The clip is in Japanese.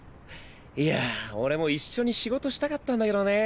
いや俺も一緒に仕事したかったんだけどね。